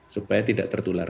supaya tidak tertular